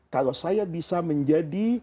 kalau saya bisa menjadi